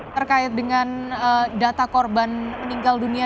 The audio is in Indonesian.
terkait dengan data korban meninggal dunia